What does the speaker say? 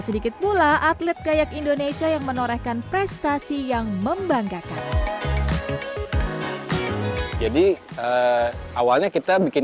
sedikit pula atlet gayak indonesia yang menorehkan prestasi yang membanggakan jadi awalnya kita bikin